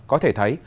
có thể thấy